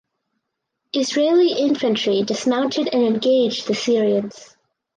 Israeli infantry dismounted and engaged the Syrians.